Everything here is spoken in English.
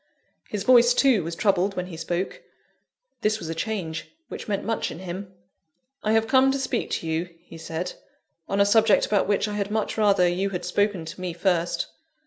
His voice, too, was troubled when he spoke. This was a change, which meant much in him. "I have come to speak to you," he said, "on a subject about which I had much rather you had spoken to me first."